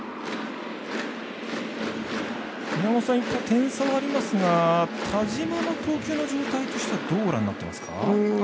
宮本さん、点差はありますが田嶋の投球の状態としてはどうご覧になってますか？